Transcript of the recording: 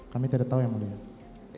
kami tidak tahu ya muridnya